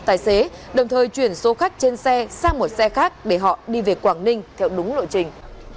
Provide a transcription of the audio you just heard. tài xế đồng thời chuyển số khách trên xe sang một xe khác để họ đi về quảng ninh theo đúng lộ trình